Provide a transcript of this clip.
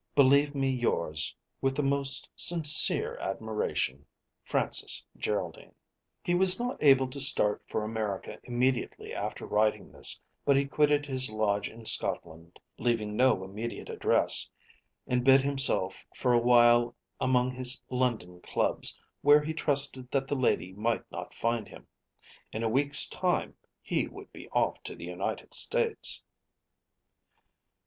Believe me yours, With the most sincere admiration, FRANCIS GERALDINE. He was not able to start for America immediately after writing this, but he quitted his Lodge in Scotland, leaving no immediate address, and hid himself for a while among his London clubs, where he trusted that the lady might not find him. In a week's time he would be off to the United States.